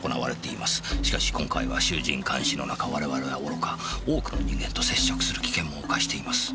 しかし今回は衆人環視の中我々はおろか多くの人間と接触する危険も冒しています。